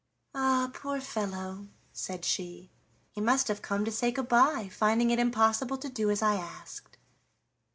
"Ah! poor fellow," said she, "he must have come to say good by, finding it impossible to do as I asked."